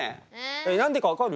えっ何でか分かる？